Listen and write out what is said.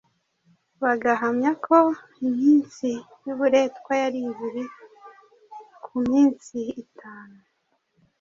Bagahamya ko iminsi y'uburetwa yari ibiri ku minsi itanu